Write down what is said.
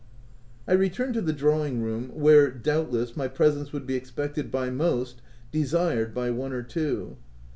I returned to the drawing room, where, doubtless, my presence would be expected by most, desired by one or two.